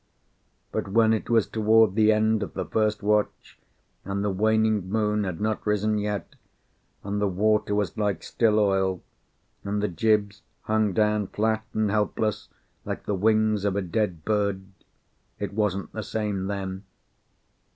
But when it was toward the end of the first watch, and the waning moon had not risen yet, and the water was like still oil, and the jibs hung down flat and helpless like the wings of a dead bird it wasn't the same then.